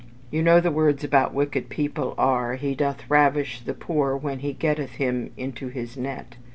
You know the words about wicked people are, "He doth ravish the poor when he getteth him into his net."